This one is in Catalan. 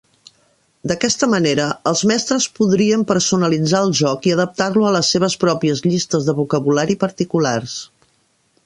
D'aquesta manera, els mestres podrien personalitzar el joc i adaptar-lo a les seves pròpies llistes de vocabulari particulars.